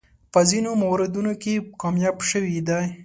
په ځینو موردونو کې کامیاب شوی دی.